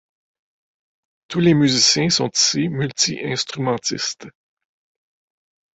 Tous les musiciens sont ici multi-instrumentistes.